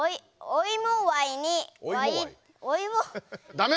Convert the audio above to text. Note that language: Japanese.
ダメ！